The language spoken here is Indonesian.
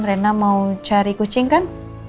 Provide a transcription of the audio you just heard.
rena mau cari kucing kan